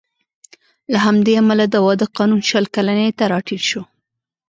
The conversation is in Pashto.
له همدې امله د واده قانون شل کلنۍ ته راټیټ شو